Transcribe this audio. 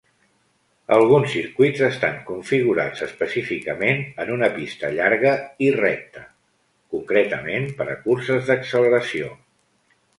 Alguns circuits estan configurats específicament en una pista llarga i recta, concretament per a curses d'acceleració.